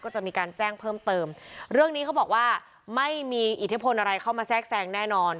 ก็จะมีการแจ้งเพิ่มเติมเรื่องนี้เขาบอกว่าไม่มีอิทธิพลอะไรเข้ามาแทรกแทรงแน่นอน